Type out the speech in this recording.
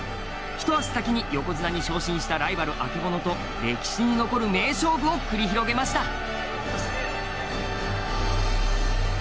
ひと足先に横綱に昇進したライバル・曙と歴史に残る名勝負を繰り広げました。